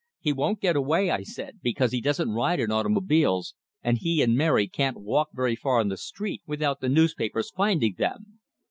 "He won't get away," I said, "because he doesn't ride in automobiles, and he and Mary can't walk very far on the street without the newspapers finding them!"